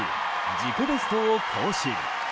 自己ベストを更新！